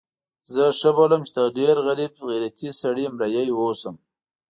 زه ښه بولم چې د ډېر غریب غیرتي سړي مریی اوسم.